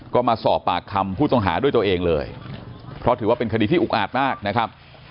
ก็มาสอบปากคำผู้ต้องหาด้วยตัวเองเลยเพราะถือว่าเป็นคดีที่อุกอาจมากนะครับ